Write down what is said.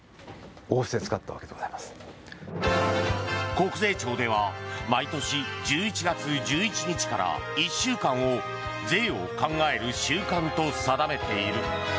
国税庁では毎年１１月１１日から１週間を税を考える週間と定めている。